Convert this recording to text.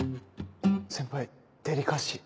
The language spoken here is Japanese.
先輩デリカシー。